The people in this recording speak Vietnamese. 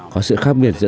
có sự khác biệt rất nhiều